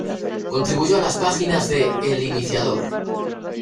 Contribuyó a las páginas de "El Iniciador".